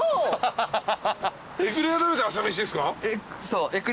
そう。